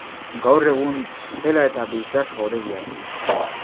Gaur egun hotela eta biltzar-jauregia da.